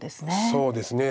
そうですね。